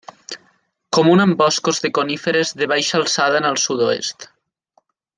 Comuna en boscos de coníferes de baixa alçada en el sud-oest.